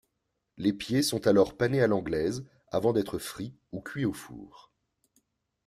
Les pieds sont alors panés à l’anglaise avant d’être frits ou cuits au four.